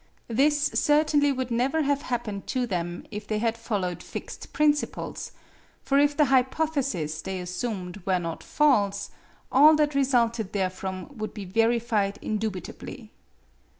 This certainly would never have happened to them if they had followed fixed principles; for if the hypotheses they assumed were not false, all that resulted therefrom would be verified indubitably.